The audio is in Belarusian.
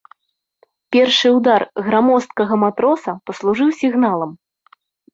Першы ўдар грамоздкага матроса паслужыў сігналам.